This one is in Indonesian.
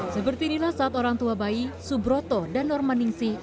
seperti inilah saat orang tua bayi subroto dan normaningsih